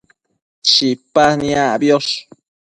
Chipa niacbiosh